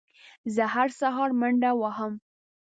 زه هره سهار منډه وهم